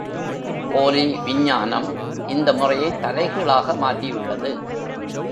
போலி விஞ்ஞானம் இந்த முறையைத் தலைகீழாக மாற்றியுள்ளது.